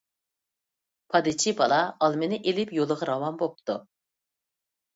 پادىچى بالا ئالمىنى ئېلىپ، يولىغا راۋان بوپتۇ.